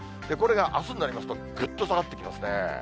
これがあすになりますと、ぐっと下がってきますね。